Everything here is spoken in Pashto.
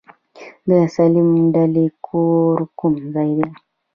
د سليم دلې کور کوم ځای دی؟